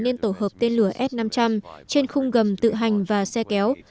lên tổ hợp tên lửa s năm trăm linh trên khung gầm tự hành và xe kéo